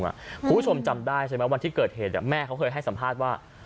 คุณผู้ชมจำได้ใช่ไหมวันที่เกิดเหตุแม่เขาเคยให้สัมภาษณ์ว่า